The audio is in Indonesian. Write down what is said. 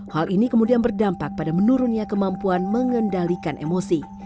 hal ini kemudian berdampak pada menurunnya kemampuan mengendalikan emosi